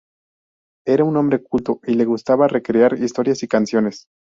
Era un hombre culto y le gustaba recrear historias y canciones.